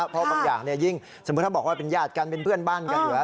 เพราะบางอย่างยิ่งสมมุติถ้าบอกว่าเป็นญาติกันเป็นเพื่อนบ้านกันอยู่แล้ว